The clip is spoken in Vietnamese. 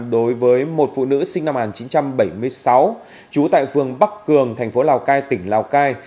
đối với một phụ nữ sinh năm một nghìn chín trăm bảy mươi sáu trú tại phường bắc cường thành phố lào cai tỉnh lào cai